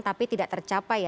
tapi tidak tercapai ya